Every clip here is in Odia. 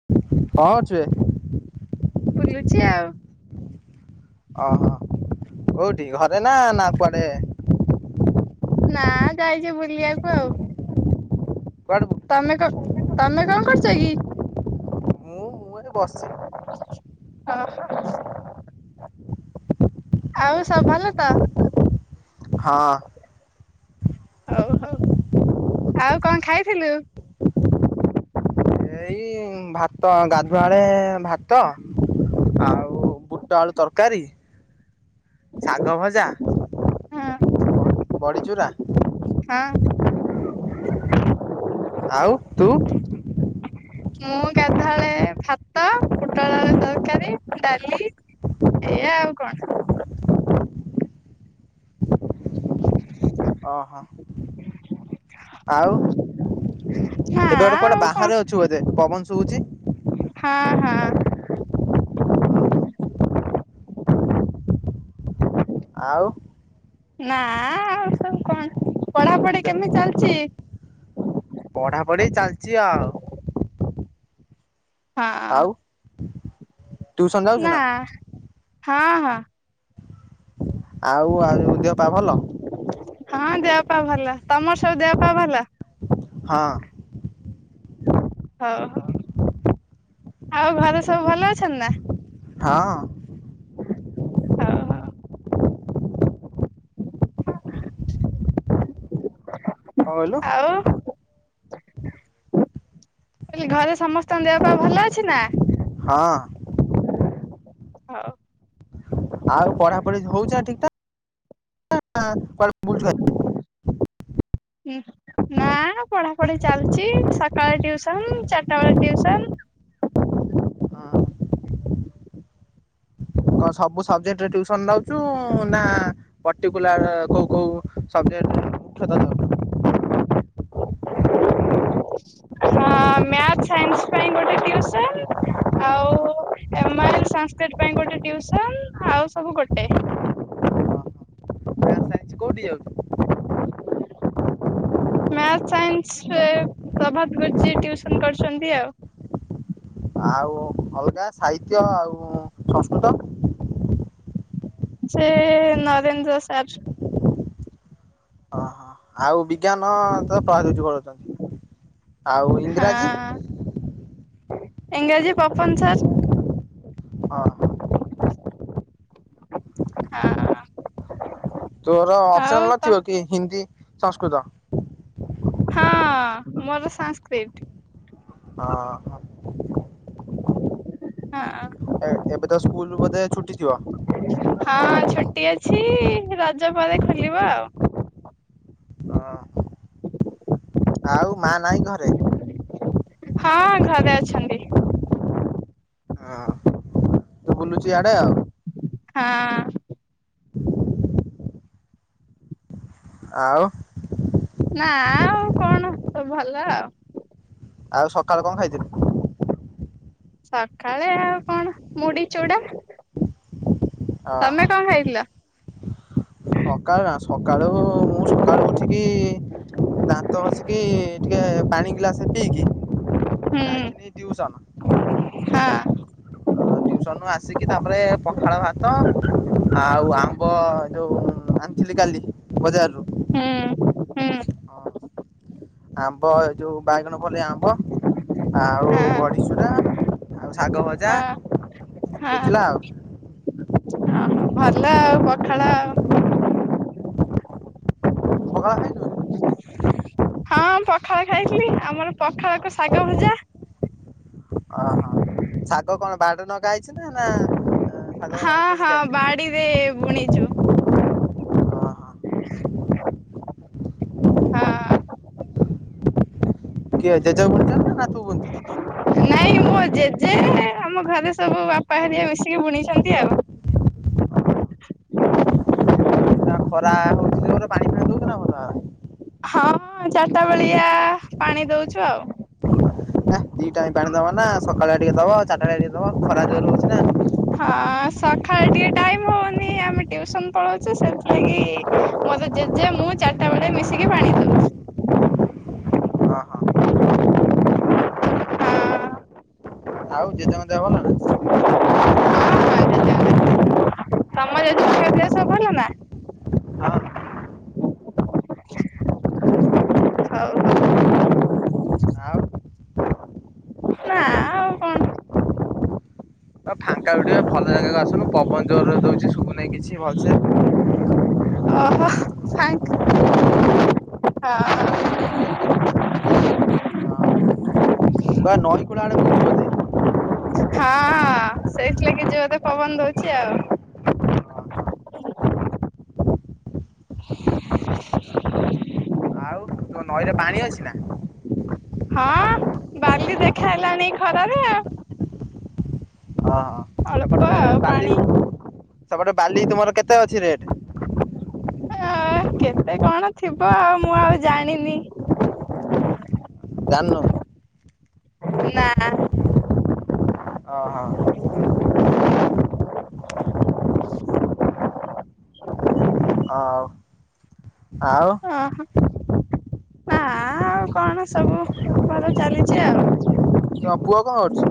କଣ କରୁଚୁ ବେ? ବୁଲୁଛି ଆଉ। ଓହୋ କୋଉଠି ଘରେ ନା ନା କୁଆଡେ ନା ଯାଇଚୁ ବୁଲିବାକୁ ଆଉ। କୁଆଡୁ ତମେ କ ତମେ କଣ କରୁଛ କି। ମୁଁ ମୁଁ ଏ ବସିଚି। ହଁ ହଁ। ଆଉ ସବୁ ଭଲ ତ। ହଁ। ହଉ ହଉ ଆଉ କଣ ଖାଇଥିଲୁ। ହୁଁ ଭାତ ଗାଧୁଆ ଏଳେ ଭାତ ଆଉ ବୁଟ ଆଳୁ ତରକାରୀ ଶାଗ ଭଜା ହଁ ବଡିରୁରା ହଁ। ଆଉ ତୁ। ମୁଁ ଗାଧୁଆଳେ ଭାତ ପୋଟଳ ଆଳୁ ତରକାରୀ ଡାଲି ଏଆା ଆଉ କଣ। [inaudible] ଓହୋ। [inaudible] ଆଉ ନା ଏବେ ଗୋଟେ କୁଆଡେ ଆଉ କଣ ବାହାରେ ଅଛୁ ବୋଧେ ପବନ ଶୁଭୁଛି। ହଁ ଓହୋ ହଁ। ଆଉ। ନା ଆଉ ସବୁ କଣ ପଢାପଢି କେମିତି ଚାଲିଛି। ପଢା ପଢି ଚାଲିଛି ଆଉ। ହଁ ଆଉ। ଟିଉସନ ଯାଉଛୁ ନା ହଁ ହଁ। ଆଉ ଆଉ ଯଉ ଦେହ ପା ଭଲ। ହଁ ଦେହପା ଭଲ ତମର ସବୁ ଦେହ ପା ଭଲ। ହଁ। ହଉ ହଉ ଆଉ ଘରେ ସବୁ ଭଲ ଅଛନ୍ତି ନା। ହଁ। ହଉ ହଉ। କଣ କହିଲୁ। ଆଉ ମୁଁ କହିଲି ଘରେ ସମସ୍ତଙ୍କ ଦେହ ପା ଭଲ ଅଛି ନା। ହଁ। ହଉ ଆଉ ପଢାପଢି ହଉଛ ଠିକ ଟା ନା କୁଆଡ଼େ ବୁଲୁଛୁ ହାରି। ହୁଁ ହୁଁ। ନା ପଢାପଢି ଚାଲିଚି ସକାଳେ ଟିଉସନ ଚାରିଟା ବେଳେ ଟିଉସନ। ହଁ କଣ ସବୁ ସବଜେକ୍ଟ ରେ ଟିଉସନ ନୋଉଛୁ ନା ପର୍ଟଟିକୁଲାର କୋଉ କୋଉ ସବଜେକ୍ଟ ମୁଖ୍ୟତ ନଉଚୁ। [inaudible] ହଁ ମ୍ୟାଥ ସାଇନ୍ସ ପାଇଁ ଗୋଟେ ଟିଉସନ୍ ଆଉ ଏମ ଆ ସାସ୍କି ରିଟି ପାଇଁ ଗୋଟେ ଟିଉସନ ଆଉ ସବୁ ଗୋଟେ। କୋଉଠିକି ଯାଉଛୁ। ମ୍ୟାଥ ସାଇନ୍ସ ରେ ପ୍ରଭାତ ଘଜି ଟିଉସନ କରୁଛନ୍ତି ଆଉ। ଆଉ ଅଲଗା ସାହିତ୍ୟ ଆଉ ସଂସ୍କୃତ। ସେ ନରେନ୍ଦ୍ର ସାର୍। ଓହୋ। ଆଉ ବିଜ୍ଞାନ ତ ପ୍ର [unintelligible] ପଢୁଛନ୍ତି ଆଉ ଇଂରାଜୀ। ଏଂରାଜଜି ପପନ ସାର୍। ହଁ ହଁ। ତୋର ଆଉ ଅପସନାଲ ତ ନଥିବ କି ହିନ୍ଦୀ ସଂସ୍କୃତ। ହଁ ମୋର ସାସ୍କ୍ରିପ୍ଟ। ହଁ। ହଁ। ଏବେ ତ ସ୍କୁଲ ବୋଧେ ଛୁଟି ଥିବ? ହଁ ଛୁଟି ଅଛି ରଜ ପରେ ଖୋଲିବ ଆଉ। ହଁ। ଆଉ ମା ନାଇଁ ଘରେ? ହଁ ଘରେ ଅଛନ୍ତି। ବୁଲୁଛି ଇଆଡ଼େ ଆଉ। ହଁ। ଆଉ ନା ଆଉ କଣ ତ ଭଲ ଆଉ। ଆଉ ସକାଳେ କଣ ଖାଇଥିଲୁ? ସକାଳେ ଆଉ କଣ ମୁଢି ଚୁଡା ଓହୋ ତମେ କଣ ଖାଇଥିଲ? ସକାଳୁ ନା ସକାଳୁ ମୁଁ ସକାଳୁ ଉଠିକି ଦାନ୍ତ ଘଷିକି ଟିକେ ପାଣି ଗିଲାସ ପିଇକି। ଯାଇଥିଲି ଟିଉସନ। ହୁଁ ହଁ। ଆ ଦ ସନୁ ଆସିକି ତାପରେ ପଖାଳ ଭାତ ଆଉ ଆମ୍ବ ଯୋଉ ଆଣିଥିଲି କାଲି ବଜାରୁ ହୁଁ ହୁଁ ଆମ୍ବ ଏ ଯୋଉ ବାଇଗଣ ପଳେଇ ଆମ୍ବ ଆଉ ହଁ ବଡିସୁରା ଆଉ ଶାଗ ଭଜା ହଁ ହଁ ହେଇଥିଲା ଆଉ। ଭଲ ଆଉ ପଖାଳ ଆଉ। ତୁ ପଖାଳ ଖାଇଚୁ? ହଁ ପଖାଳ ଖାଇଥିଲି ଆମର ପଖାଳକୁ ଶାଗ ଭୁଜା। ଓହୋ ଶାଗ କଣ ବାଡିରେ ନଗା ହେଛି ନା ଶାଗ ହଁ କିଣିକି ହଁ ଆଣିଥିଲୁ? ବାଡିରେ ବୁଣିଛୁ। ଓହୋ ହଁ। କିଏ ଜେଜେ ବୁଣିଥିଲେ ନାଁ ତୁ ବୁଣିଥିଲୁ? ନାଇଁ ମୋ ଜେଜେେ ଆମ ଘରେ ସବୁ ବାପା ହାରିକା ମିଶିକି ବୁଣିଛନ୍ତି ଆଉ। ଏଇଖିଣା ଖରା ହଉଛି ପାଣି ଫାଣି ଦଉ କି ନା ଭଲ ଭାବରେ ହଁ ଚାରିଟା ବଳିଆ ପାଣି ଦଉଛୁ ଆଉ। ନା ଦି ଟାଇମ ପାଣି ଦବା ନା ସକାଳେ ଟିକେ ଦବ ଚାରିଟା ଆଲୁଆ ଟିକେ ଦବ ଖରା ଜୋର ରହୁଛି ନା। ହଁ ସକାଳେ ଟିକେ ଟାଇମ୍ ହଉନି ଆମେ ଟିଉସନ ପଳଉଛୁ ସେଥିଲାଗି। ମତେ ଜେଜେ ମୁଁ ଚାରିଟା ବେଳେ ମିଶିକି ପାଣି ଦୋଉଛୁ। ଓହୋ। ହଁ। ଆଉ ଜେଜେଙ୍କ ଦେହ ଭଲ ନା? ତମର ଏଠି ଖିଆ ପିଆ ସବୁ ଭଲ ନା? ହଁ। ହୋଉ। ଆଉ ନାଁ ଆଉ ଫାଙ୍କା ଟିକେ ଭଲ ଜାଗାକୁ ଆସୁନୁ ପବନ ଜୋରରେ ଦଉଛି ଶୁଭୁନାହିଁ କିଛି ଭଲସେ। ଓହୋ [inaudible] ହଁ। କୁଆଡେ ନଈକୁଳ ଆଡେ ବୁଲୁଛୁ ବୋଧେ? ହଁ ସେଇଥିଲାଗି ଜୋରେ ପବନ ଦଉଚି ଆଉ। [inaudible] ଆଉ ତୁମ ନଈରେ ପାଣି ଅଛି ନା? ହଁ ବାଲି ଦେଖା ହେଲାଣି ଖରାରେ ଆଉ। ଓଁ ହ ଅଳ୍ପ ସେପଟେ ଆଉ ବାଲି ପାଣି ସେପଟେ ବାଲି ତୁମର କେତେ ଅଛି ରେଟ? ଆ କେତେ କଣ ଥିବ ଆଉ ମୁଁ ଆଉ ଜାଣିନି। ଜାଣିନୁ? ନା। ଓହୋ। ହଉ ଆଉ? ଅହ ନା ଆଉ କଣ ସବୁ ଭଲ ଚାଲିଛି ଆଉ। ତୋ ପୁଅ କଣ କରୁଚି?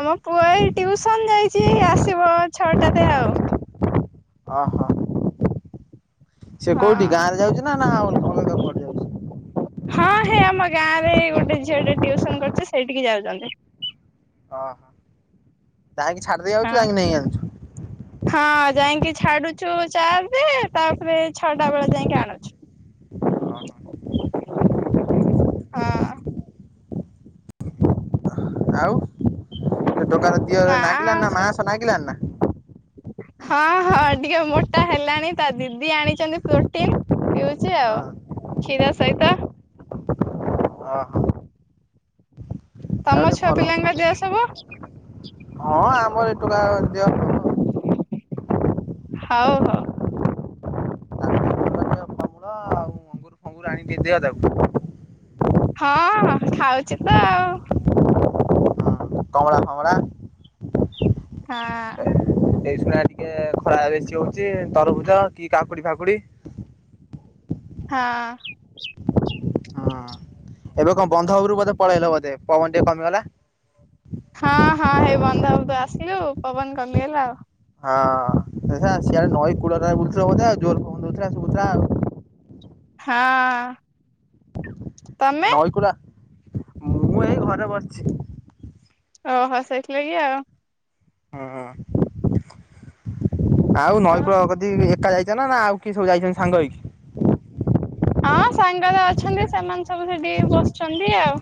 ଆମ ପୁଅ ଏଇ ଟିଉସନ ଯାଇଚି ଏଇ ଆସିବ ଛଅଟାରେ ଆଉ। ଅହ। ସିଏ କୋଉଠି ହଁ ଗାଁରେ ଯାଉଚି ନା ଆଉ ଅଲ ଅଲଗା କୁଆଡେ ଯାଉଚି? ହଁ ହେ ଆମ ଗାଁରେ ଏଇ ଗୋଟେ ଝିଅଟେ ଟିଉସନ କରୁଚି ସେଇଠିକି ଯାଉଚନ୍ତି। ଓହ ଯାଇଁକି ଛାଡ଼ଦେଇ ଆଉଚୁ ହଁ ଯାଇଁକି ନେଇ ଆଣଚୁ। ହଁ ଯାଇଁକି ଛାଡୁଚୁ ଚାରିରେ ତାପରେ ଛଅଟା ବେଳେ ଯାଇଁକି ଆଣୁଚୁ। ଅହ। ହଁ। ଆଉ [inaudible] ସେ ଦୋକାର ଦିହରେ ନା ନାଗିଲାଣ ନା ମାଆସ ନାଗିଲାଣ ନା? ହଁ ହଁ ଟିକେ ମୋଟା ହେଲାଣି ତା ଦିଦି ଆଣିଚନ୍ତି ପ୍ରୋଟିନ ପିଉଚି ହଁ। ଆଉ କ୍ଷୀର ସହିତ। ଓହୋ। ଆଉ ତମ ଟିକେ ଛୁଆ ଭଲ ପିଲାଙ୍କ ଦେହ ସବୁ? ହଁ ଆମରି ପୁରା ଦେହ ଭଲ। ହଉ ହୋଉ। ପାଣି ଟିକେ ଦିଅ ତାକୁ। ହଁ ହଁ ଖାଉଚି ତ ଆଉ। ହଁ କମଳା ଫମଳା। ହଁ। ଏଇ ସୁଣା ଟିକେ ଖରା ବେଶୀ ହୋଉଚି ତରଭୁଜ କି କାକୁଡି ଫାକୁଡି? ହଁ। ହଁ ଏବେ କଣ ବନ୍ଧ ଉପୁରୁକୁ ବୋଧେ ପଳେଇଲ ବୋଧେ ପବନ ଟିକେ କମିଗଲା? ହଁ ହଁ ହେଇ ବନ୍ଧ ଓପରକୁ ଆସିଲୁ ପବନ କମିଗଲା ଆଉ। ହଁ ଏ ସିଏ ସିଆଡେ ନଈ କୁଳଟାରେ ବୁଲୁଥିଲ ବୋଧେ ଆଉ ଜୋରେ ପବନ ଦୋଉଥୁଲା ଆଉ ଶୁଭୁଥିଲା। ହଁ। ତମେ ନଈକୁଳ ମୁଁ ଏଇ ଘରେ ବସଛି। ଓହୋ ସେଇଥିଲାଗି ଆଉ। ହଁ। ଆଉ ହଁ। ନଈକୂଳ କତିକି ଏକା ଯାଇଚ ନା ଆଉ କିଏ ସବୁ ଯାଇଚନ୍ତି ସାଙ୍ଗ ହେଇକି? ହଁ ସାଙ୍ଗରେ ଅଛନ୍ତି ସେମାନେ ସବୁ ସେଠିକି ବସଛନ୍ତି ଆଉ।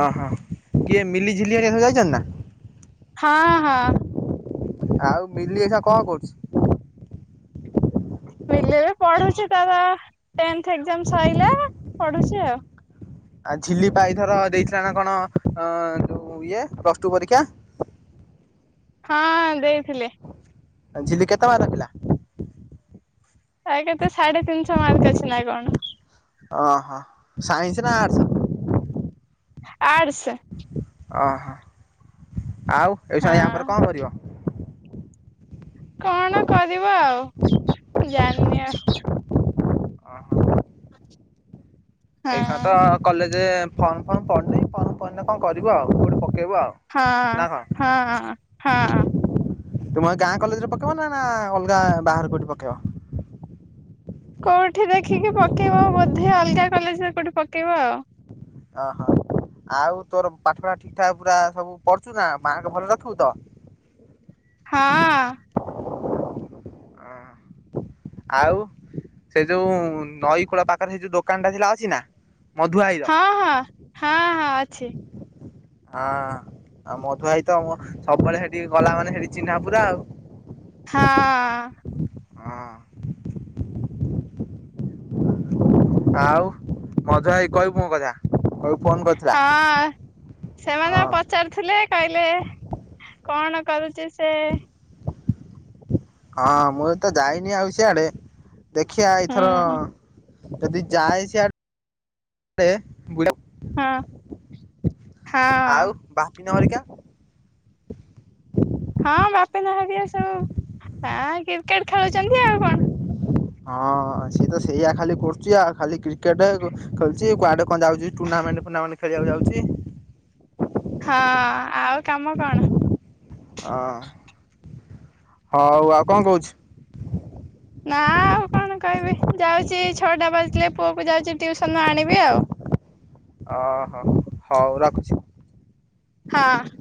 ଓହୋ କିଏ ମିଲି ଝିଲି ହରିକା ସବୁ ଯାଇଚନ୍ତି ନା? ହଁ ହଁ। ଆଉ ମିଲି ଏଇଖା କଣ କରୁଚି? ମିଲି ଏବେ ପଢୁଚି ତାର ଏଗଜାମ୍ ସଇଲା ପଢୁଚି ଆଉ। ଆଉ ଝିଲି ପା ଏଇଥର ଦେଇଥିଲା ନା କଣ ଅ ଯୋଉ ଇଏ ପ୍ଲସ୍ ଟୁ ପରୀକ୍ଷା। ହଁ ଦେଇଥିଲେ। ଆ ଝିଲି କେତେ ମାର୍କ ରଖିଲା? ତାର କେତେ ସାଢ଼େ ତିନିଶହ ମାର୍କ ଅଛି ନା କଣ। ଓହୋ ସାଇନ୍ସ ନା ଆର୍ଟସ୍? ଆର୍ଟସ୍। ଓହୋ ଆଉ ଏଇସୁଣି ୟା ହଁ ପରେ କଣ କରିବ? କଣ କରିବ ଆଉ ମୁଁ ଜାଣନି ଆ ଅହଁ। ଏଇଖୁଣା ହଁ। ତ କଲେଜେ ଫର୍ମ ଫର୍ମ ପଡ଼ନେଇ ଫର୍ମ ପଡ଼ନେ କଣ କରିବୁ ଆଉ କୋଉଠି ପକେଇବୁ ଆଉ। ହଁ ନା କଣ? ହଁ ହଁ। ତୁମ ଏ ଗାଁ କଲେଜରେ ପକେଇବନା ନା ଅଲଗା ଏ ବାହାରେ କୋଉଠି ପକେଇବ? କୋଉଠି ଦେଖିକି ପକେଇବ ବୋଧେ ଅଲ୍ଗା କଲେଜ୍ରେ କୋଉଠି ପକେଇବା ଆଉ। ଅ ହ। ଆଉ ତୋର ପାଠପଢ଼ା ଠିକ୍ ଠାକ୍ ପୁରା ସବୁ ପଢୁଛୁ ନା ମାର୍କ ଭଲ ରଖିବୁ ତ। ହଁ। ଆଉ। ସେ ଯୋଉ ନଈ କୂଳ ପାଖରେ ସେ ଯୋଉ ଦୋକାନ ଟା ଥିଲା ଅଛି ନା ମଧୁଭାଇର। ହଁ ହଁ ହଁ ହଁ ଅଛି। ହଁ ଆଉ ମଧୁ ଭାଇ ତ ସବୁବେଳେ ସେଠି ଗଲା ମାନେ ସେଠି ଚିହ୍ନା ପୁରା ଆଉ। ହଁ। ହଁ ଆଉ ମଧୁଆ ଭାଇ କହିବୁ ମୋ କଥା। କହିବୁ ଫୋନ କରିଥିଲା? ହଁ ସେମାନେ ହଁ ପ ଚାରୁଥିଲେ କହିଲେ କଣ କରୁଛି ସେ। ହଁ ମୁଁ ଏ ତ ଯାଇନି ଆଉ ସିଆଡ଼େ ଦେଖିଆ ଏଇଥର ହୁଁ ଯଦି ଯାଏ ସେଆ ଡ଼େ ବୁ ହଁ ହଁ ଆଉ ବାପିନ ହରିକା। ହଁ ବାପିନା ହରିକା ସବୁଆଁ କ୍ରିକେଟ୍ ଖେଳୁଚନ୍ତି ଆଉ କଣ। ହଁ ସିଏ ତ ସେଇଆ ଖାଲି କର୍ଚି ଆଉ ଖାଲି କ୍ରିକେଟ୍ ଖେଳ୍ଚି କୁଆଡ଼େ କଣ ଯାଉଚି ଟୁର୍ଣ୍ଣାମେଣ୍ଟ୍ ଫୁଣ୍ଣାମେଣ୍ଟ୍ ଖେଳିବାକୁ ଯାଉଚି। ହଁ ଆଉ କାମ କଣ। ଅ ହଉ ଆଉ କଣ କହୁଛୁ। ନା ଆଉ କଣ କହିବି ଯାଉଚି ଛଅଟା ବାଜିଲେ ପୁଅକୁ ଯାଉଛି ଟିଉସନ୍ରୁ ଆଣିବି ଆଉ। ଅହ ହଉ ରଖ୍ଛି। ହଁ।